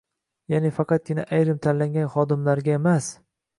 Ya’ni, faqatgina ayrim “tanlangan” xodimlarga emas